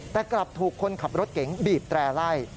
แต่กลับถูกคนขับรถเก๋งบีบแตร่ไล่